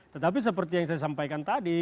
tetapi seperti yang saya sampaikan tadi